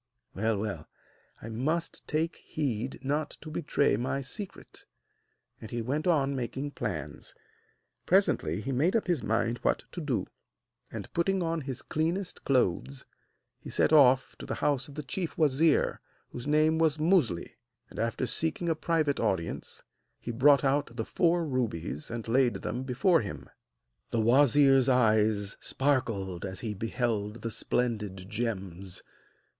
Well, well, I must take heed not to betray my secret.' And he went on making plans. Presently he made up his mind what to do, and, putting on his cleanest clothes, he set off to the house of the chief wazir, whose name was Musli, and, after seeking a private audience, he brought out the four rubies and laid them before him. The wazir's eyes sparkled as he beheld the splendid gems.